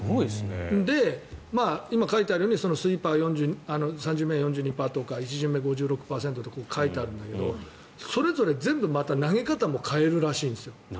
で、今、書いてあるようにスイーパー３０％とか４２％とか１巡目、５６％とか書いてあるんだけどそれぞれ、また全部投げ方も変えるらしいんですよ。